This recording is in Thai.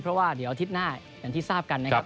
เพราะว่าเดือดาทิ้นหน้าอย่างที่ทราบกัน